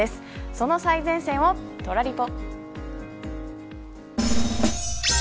その最前線をトラリポ。